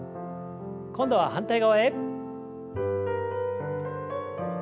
今度は反対側へ。